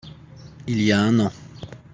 Il y a un an.